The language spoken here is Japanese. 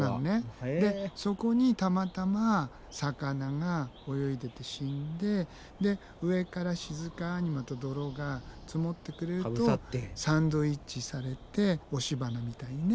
そこにたまたま魚が泳いでて死んでで上から静かにまた泥が積もってくれるとサンドイッチされて押し花みたいにね